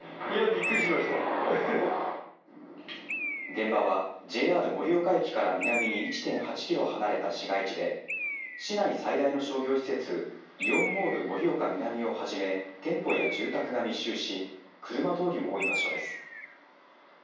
現場はＪＲ盛岡駅から南に１．８キロ離れた市街地で、市内最大の商業施設イオンモール盛岡南をはじめ店舗や住宅が密集し車通りも多い場所です。